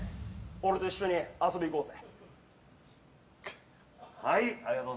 俺と一緒に遊びに行こうぜ。